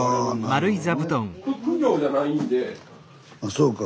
そうか。